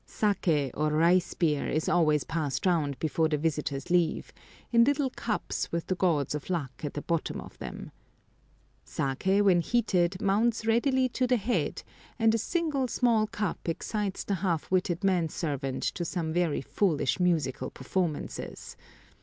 Saké, or rice beer, is always passed round before the visitors leave, in little cups with the gods of luck at the bottom of them. Saké, when heated, mounts readily to the head, and a single small cup excites the half witted man servant to some very foolish musical performances.